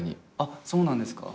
そうなんですか。